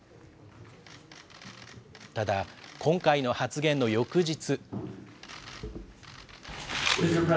ただ、今回の発言の翌日。